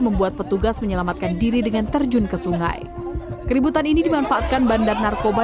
membuat petugas menyelamatkan diri dengan terjun ke sungai keributan ini dimanfaatkan bandar narkoba